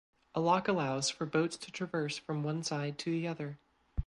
A lock allows for boats to traverse from one side to the other.